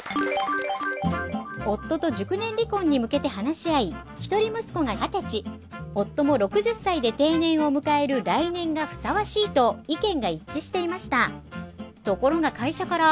夫と熟年離婚に向けて話し合い一人息子が二十歳夫も６０歳で定年を迎える来年がふさわしいと意見が一致していました。